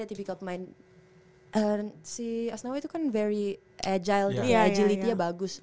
aku juga suka banget main si asnau itu kan very agile agility nya bagus